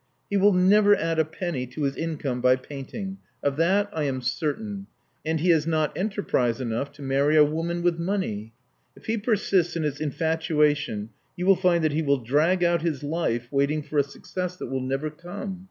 He will never add a penny to his income by painting: of that I am certain; and he has not enterprise enough to marry a woman with money. If he persists in his infatuation, you will find that he will drag out his wife waiting for a success that will never come.